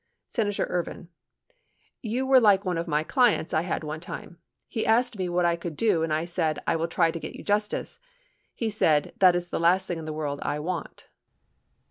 Senator Ervin. You were like one of my clients I had one time. He asked me what I could do and I said I will try to get you justice. He said, that is the last thing in the world I want.